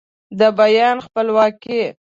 د بیان خپلواکي